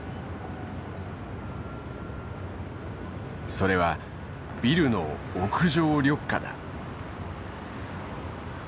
それはビルの屋上緑化だ。